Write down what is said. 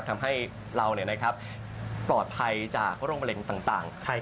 ทำให้เราปลอดภัยจากโรคมะเร็งต่าง